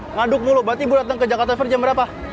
ngaduk mulu berarti ibu datang ke jakarta fair jam berapa